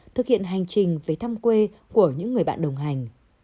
thực hiện hành trình về thăm quê của những người bạn đồng hành